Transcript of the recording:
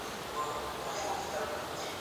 پلی تګ د شکر ناروغانو لپاره ګټور دی.